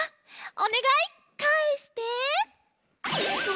おねがいかえして。